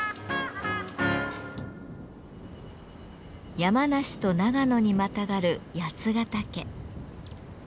山梨と長野にまたがる八ヶ岳。